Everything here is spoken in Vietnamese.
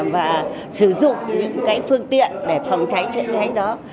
và sử dụng những cái phương tiện để phòng cháy chữa cháy đó